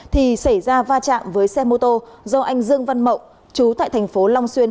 thì xảy ra va chạm với xe mô tô do anh dương văn mộng chú tại thành phố long xuyên